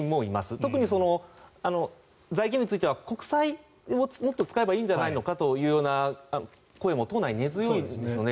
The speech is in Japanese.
特に財源については国債をもっと使えばいいんじゃないのという声も党内、根強いんですよね。